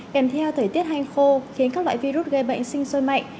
kèm theo thời tiết hanh khô khiến các loại virus gây bệnh sinh sôi mạnh